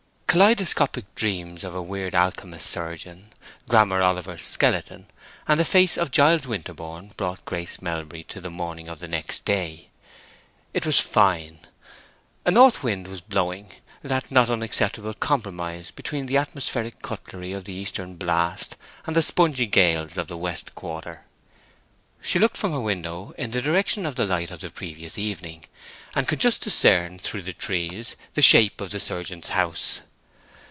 Kaleidoscopic dreams of a weird alchemist surgeon, Grammer Oliver's skeleton, and the face of Giles Winterborne, brought Grace Melbury to the morning of the next day. It was fine. A north wind was blowing—that not unacceptable compromise between the atmospheric cutlery of the eastern blast and the spongy gales of the west quarter. She looked from her window in the direction of the light of the previous evening, and could just discern through the trees the shape of the surgeon's house.